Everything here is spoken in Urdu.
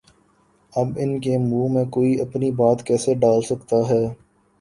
اب ان کے منہ میں کوئی اپنی بات کیسے ڈال سکتا ہے؟